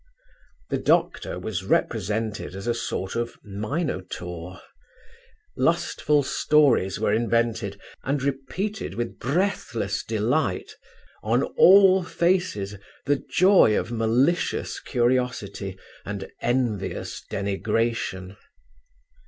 The doctor was represented as a sort of Minotaur: lustful stories were invented and repeated with breathless delight; on all faces, the joy of malicious curiosity and envious denigration.